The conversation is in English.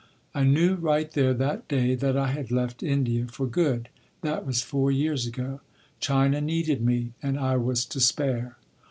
I knew right there that day that I had left India for good. That was four years ago. China needed me and I was to spare.